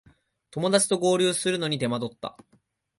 友だちと合流するのに手間取った